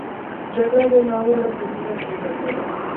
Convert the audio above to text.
جګړه د ناوړه ذهنیت زیږنده ده